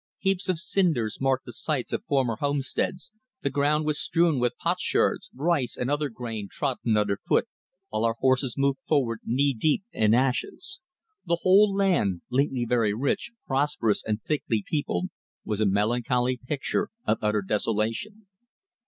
Heaps of cinders marked the sites of former homesteads, the ground was strewn with potsherds, rice and other grain trodden under foot, while our horses moved forward knee deep in ashes. The whole land, lately very rich, prosperous and thickly peopled, was a melancholy picture of utter desolation."